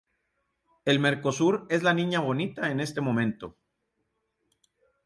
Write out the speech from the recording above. El Mercosur es la niña bonita en este momento.